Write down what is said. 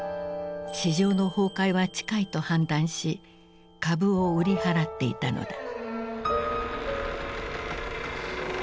市場の崩壊は近いと判断し株を売り払っていたのだ。